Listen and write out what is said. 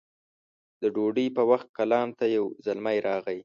د ډوډۍ په وخت کلا ته يو زلمی راغی